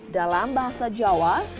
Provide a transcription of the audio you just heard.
dalam bahasa jawa